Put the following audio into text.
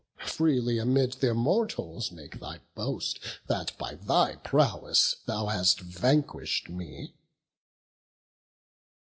Freely amid th' Immortals make thy boast, That by thy prowess thou hast vanquish'd me."